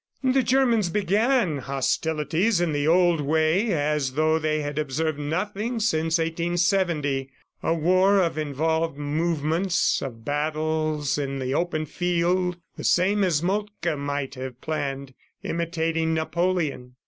The Germans began hostilities in the old way as though they had observed nothing since 1870 a war of involved movements, of battles in the open field, the same as Moltke might have planned, imitating Napoleon.